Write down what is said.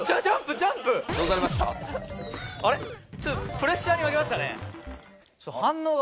プレッシャーに負けましたね。